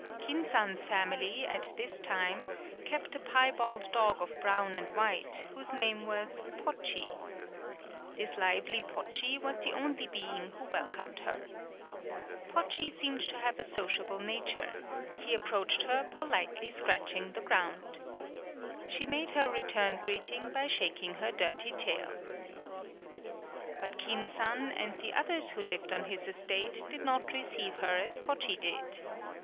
Kin san's family, at this time, kept a piebald dog of brown and white, whose name was Pochi. This lively Pochi was the only being who welcomed her. Pochi seemed to have a sociable nature ; he approached her politely scratching the ground. She made her return greet ing by shaking her dirty tail. But Kin san and the others who lived 120 A DOMESTIC ANIMAL on his estate did not receive her as Pochi did.